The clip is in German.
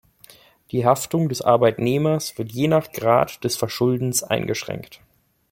Die Haftung des Arbeitnehmers wird je nach Grad des Verschuldens eingeschränkt.